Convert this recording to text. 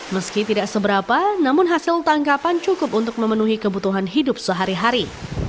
meski tidak seberapa namun hasil tangkapan cukup untuk memenuhi kebutuhan hidup sehari hari